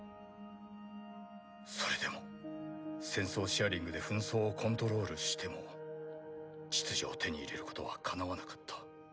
それでも戦争シェアリングで紛争をコントロールしても秩序を手に入れることはかなわなかった。